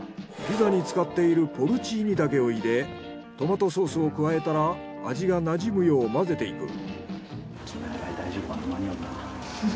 ピザに使っているポルチーニ茸を入れトマトソースを加えたら味がなじむよう混ぜていく。